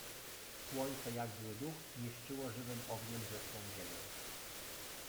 Słońce, jak zły duch, niszczyło żywym ogniem zeschłą ziemię.